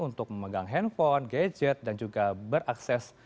untuk memegang handphone gadget dan juga berakses